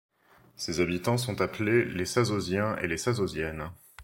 Ses habitants sont appelés les Sazosiens et les Sazosiennes.